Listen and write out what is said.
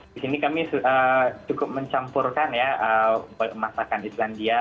di sini kami cukup mencampurkan ya masakan di sini